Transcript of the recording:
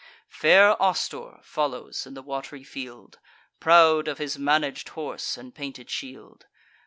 Fair Astur follows in the wat'ry field, Proud of his manag'd horse and painted shield.